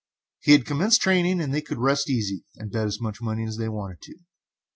He had commenced training, and they could rest easy, and bet as much money as they wanted to.